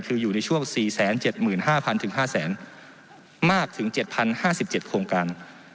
คืออยู่ในช่วง๔๗๕๐๐๕๐๐๐มากถึง๗๐๕๗โครงการ